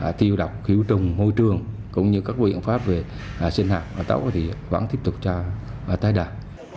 các biện pháp khiếu trùng môi trường cũng như các biện pháp về sinh hạng tạo thì vẫn tiếp tục tái đàn